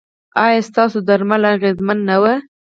ایا ستاسو درمل اغیزمن نه وو؟